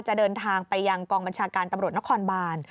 เดินทางไปยังกองบัญชาการตำรวจนครบาน